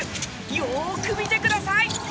よーく見てください！